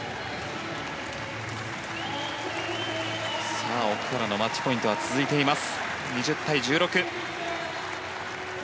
さあ、奥原のマッチポイントは続いています。